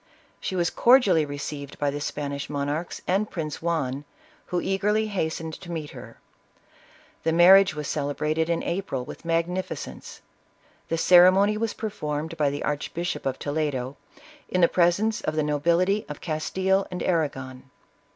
She was cordially received by the Span ish monarchs and Prince Juan, who eagerly hastened to meet her. The marriage was celebrated in April, with magnificence ; the ceremony was performed by the Archbishop of Toledo, in the presence of the no bility of Castile and Arragon.